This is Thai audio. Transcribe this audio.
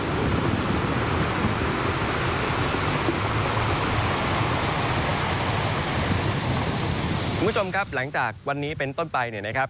คุณผู้ชมครับหลังจากวันนี้เป็นต้นไปเนี่ยนะครับ